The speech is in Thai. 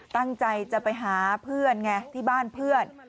ตั้งใจจะไปหาเพื่อนไงที่บ้านเพื่อน